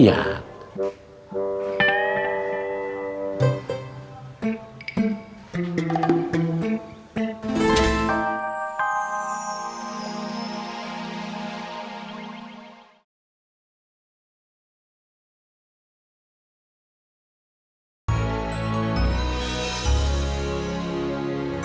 nggak gua disana